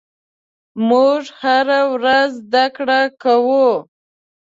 موږ هره ورځ زدهکړه کوو.